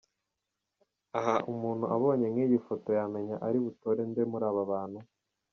Aha umuntu abonye nk’iyi foto yamenya ari butore nde muri aba bantu?.